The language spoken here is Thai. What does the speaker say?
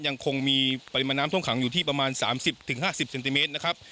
ยังคงมีปริมาณน้ำท่วมขังอยู่ที่ประมาณ๓๐๕๐เซนติเมตรนะครับ